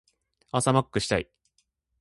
朝マックしたい。